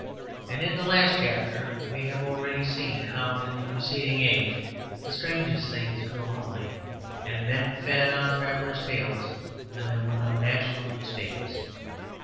And in the last chapter we have already seen how in the Crusading age the strangest things grew homely, and men fed on travellers' tales when there were no national newspapers.